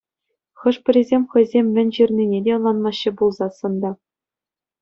Хӑшпӗрисем хӑйсем мӗн ҫырнине те ӑнланмаҫҫӗ пулсассӑн та.